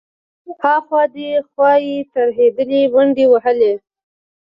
ها خوا دې خوا يې ترهېدلې منډې وهلې.